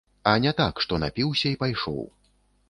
А не так, што напіўся і пайшоў.